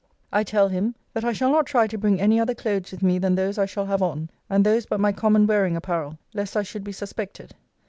I tell him, 'That I shall not try to bring any other clothes with me than those I shall have on; and those but my common wearing apparel; lest I should be suspected.